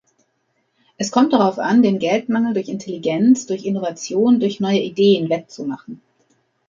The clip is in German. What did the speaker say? Es kommt darauf an, den Geldmangel durch Intelligenz, durch Innovation, durch neue Ideen wettzumachen.